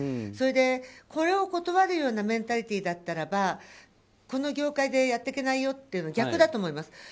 それで、これを断るようなメンタリティーだったならばこの業界でやっていけないよって逆だと思います。